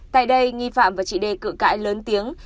tại đây nhi phạm và chị đê cự cãi lớn tiếng